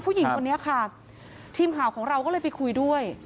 ผู้หญิงคนนี้ค่ะทีมข่าวของเราก็เลยไปคุยด้วย